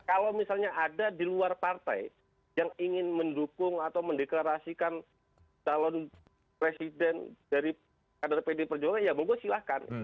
kalau misalnya ada di luar partai yang ingin mendukung atau mendeklarasikan calon presiden dari kader pdi perjuangan ya mogok silahkan